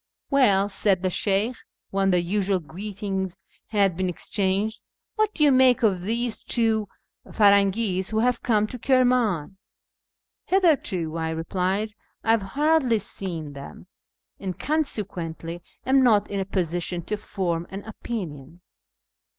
" Well," said the Sheykh, when the usual greetings had been exchanged, " what do you make of these two Pirangis who have come to Kirman ?"" Hitherto," I replied, " I have hardly seen them, and consequently am not in a position to form an opinion."